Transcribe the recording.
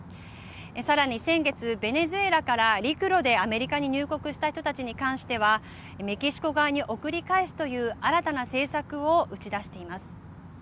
さらに先月ベネズエラから陸路でアメリカに入国した人たちに関してはメキシコ側に送り返すという新たな政策を打ち出しています。